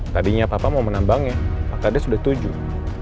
tadinya papa mau menambangnya pak kades sudah tujuh